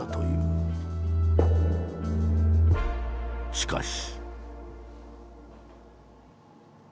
しかし。